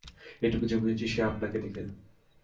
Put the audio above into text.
এটুকু যে বুঝেছি সে আপনাকে দেখে।